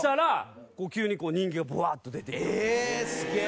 えすげえ。